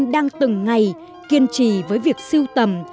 đang từng ngày kiên trì với việc siêu tầm